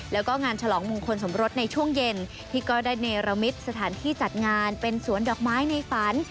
แล้วก็งานฉลองมงคลสมรสในช่วงเย็นที่ก็ได้เนรมิตสถานที่จัดงานเป็นสวนดอกไม้ในฝัน